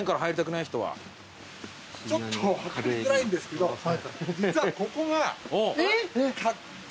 ちょっと分かりづらいんですけど実はここが。えっ？